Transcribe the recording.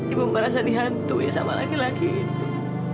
ibu merasa dihantui sama laki laki itu